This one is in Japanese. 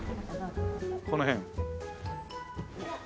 この辺？